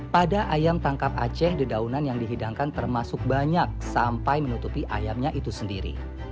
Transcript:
pada ayam tangkap aceh dedaunan yang dihidangkan termasuk banyak sampai menutupi ayamnya itu sendiri